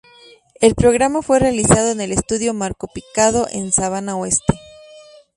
El programa fue realizado en el estudio Marco Picado en Sabana Oeste.